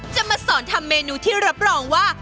จะมาสอนทำเมนูที่รับรองว่า